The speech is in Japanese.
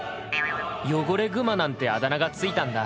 「汚れ熊」なんてあだ名が付いたんだ。